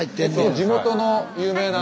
地元の有名な？